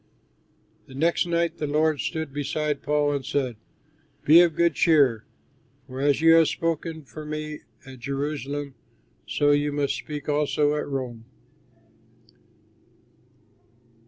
The next night the Lord stood beside Paul and said, "Be of good cheer, for as you have spoken for me at Jerusalem, so you must speak also at Rome."